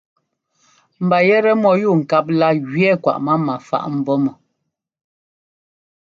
Mba yɛtɛ mɔyúubŋkáp lá gẅɛɛ kwaꞌ mama faꞌ mbɔ̌ mɔ.